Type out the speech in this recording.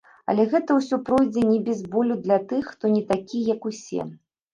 Але гэта ўсё пройдзе не без болю для тых, хто не такі, як усе.